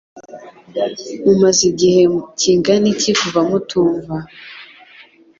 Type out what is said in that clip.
Mumaze igihe kingana iki kuva mutumva